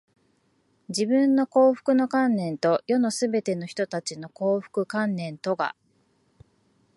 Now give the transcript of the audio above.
自分の幸福の観念と、世のすべての人たちの幸福の観念とが、